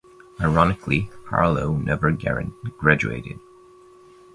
Ironically, Harlow never graduated.